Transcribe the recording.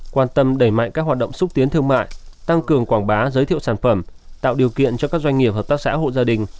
quan tâm đẩy mạnh các hoạt động xúc tiến thương mại tăng cường quảng bá giới thiệu sản phẩm tạo điều kiện cho các doanh nghiệp hợp tác xã hộ gia đình